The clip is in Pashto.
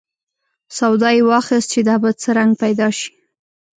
سودا یې واخیست چې دا به څه رنګ پیدا شي.